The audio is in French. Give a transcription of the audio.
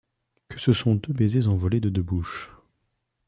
Que ce sont deux baisers envolés de deux bouches